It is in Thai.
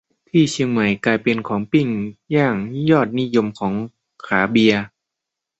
ที่เชียงใหม่ กลายเป็นของปิ้งย่างยอดนิยมของขาเบียร์